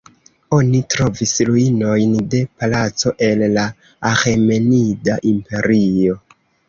Oni trovis ruinojn de palaco el la Aĥemenida Imperio.